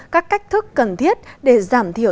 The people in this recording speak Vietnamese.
các cách thức cần thiết để giảm thiểu